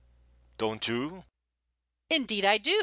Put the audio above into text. Don't you?" "Indeed I do!"